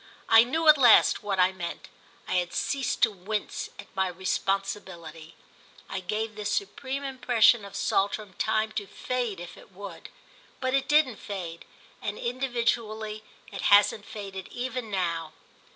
I knew at last what I meant—I had ceased to wince at my responsibility. I gave this supreme impression of Saltram time to fade if it would; but it didn't fade, and, individually, it hasn't faded even now.